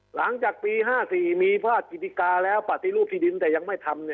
หลังจากปี๕๔มีภาคกิติกาแล้วปฏิรูปที่ดินแต่ยังไม่ทำ